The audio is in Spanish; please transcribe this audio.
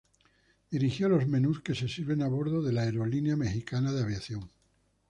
Dirigió los menús que se sirven a bordo de la aerolínea Mexicana de Aviación.